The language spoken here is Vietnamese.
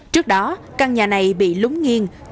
trước đó căn nhà này bị lúng nghiêng